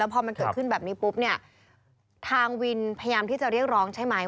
พอมันเกิดขึ้นแบบนี้ปุ๊บเนี่ยทางวินพยายามที่จะเรียกร้องใช่ไหม